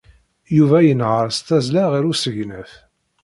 Yuba yenheṛ s tazzla ɣer usegnaf.